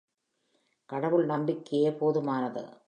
கடவுள் நம்பிக்கையே போதுமானது.